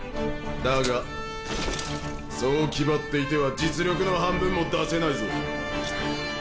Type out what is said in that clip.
だがそう気張っていては実力の半分も出せないぞ。